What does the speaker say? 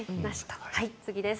次です。